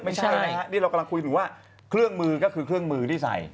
ไม่ใช่นะฮะนี่เรากำลังคุยอยู่ว่าเครื่องมือก็คือเครื่องมือที่ใส่